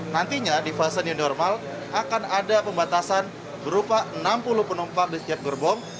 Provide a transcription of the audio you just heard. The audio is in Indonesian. nantinya di fase new normal akan ada pembatasan berupa enam puluh penumpang di setiap gerbong